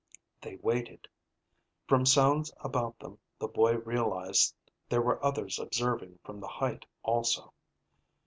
They waited. From sounds about them, the boy realized there were others observing from the height also.